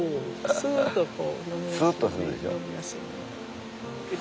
スッとするでしょ？